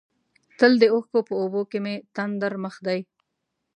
تل د اوښکو په اوبو کې مې تندر مخ دی.